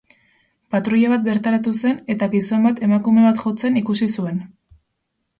Patruila bat bertaratu zen, eta gizon bat emakume bat jotzen ikusi zuen.